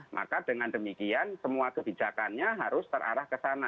maka dengan demikian semua kebijakannya harus terarah ke sana